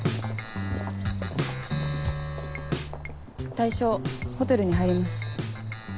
対象ホテルに入ります。